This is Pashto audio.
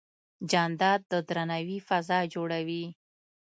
جانداد د درناوي فضا جوړوي.